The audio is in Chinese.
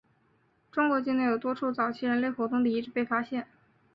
中国境内有多处早期人类活动的遗址被发现。